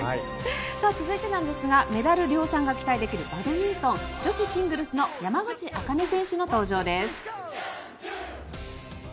続いてですがメダル量産が期待できるバドミントン女子シングルスの山口茜選手の登場です。